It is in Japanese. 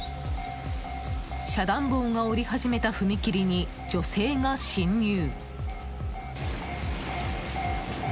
遮断棒が下り始めた踏切に女性が進入。